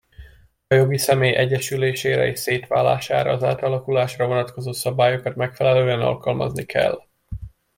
A jogi személy egyesülésére és szétválására az átalakulásra vonatkozó szabályokat megfelelően alkalmazni kell.